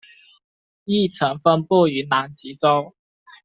亦曾分布于南极洲。